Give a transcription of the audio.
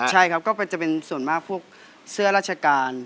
ใช่ครับก็จะเป็นส่วนมากพวกเสื้อราชการ